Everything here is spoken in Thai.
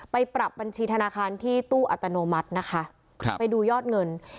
ไปปรับบัญชีธนาคารที่ตู้อัตโนมัตินะคะครับไปดูยอดเงิน